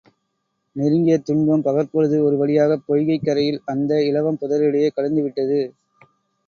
நெருங்கிய துன்பம் பகற்பொழுது ஒரு வழியாகப் பொய்கைக் கரையில் அந்த இலவம் புதரிடையே கழிந்துவிட்டது.